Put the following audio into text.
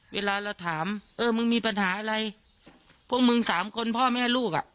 เวลาเราถามเออมึงมีปัญหาอะไรพวกมึงสามคนพ่อแม่ลูกอ่ะ